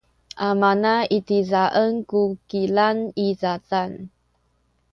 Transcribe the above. amana itizaen ku kilang i zazan.